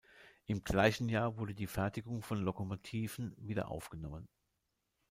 Im gleichen Jahr wurde die Fertigung von Lokomotiven wieder aufgenommen.